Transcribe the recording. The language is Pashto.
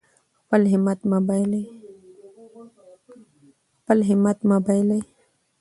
خپل همت مه بایلئ.